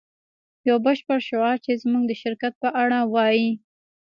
یو بشپړ شعار چې زموږ د شرکت په اړه ووایی